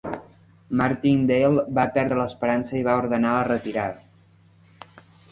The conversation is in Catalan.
Martindale va perdre l'esperança i va ordenar la retirada.